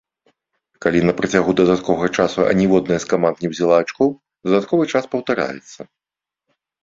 Калі на працягу дадатковага часу аніводная з каманд не ўзяла ачкоў, дадатковы час паўтараецца.